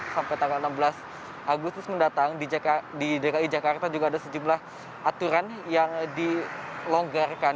sampai tanggal enam belas agustus mendatang di dki jakarta juga ada sejumlah aturan yang dilonggarkan